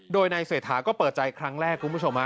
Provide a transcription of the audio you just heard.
โดยนายเศรษฐาก็เปิดใจครั้งแรกคุณผู้ชม